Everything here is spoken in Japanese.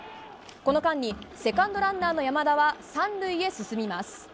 この間にセカンドランナーの山田は３塁へ進みます。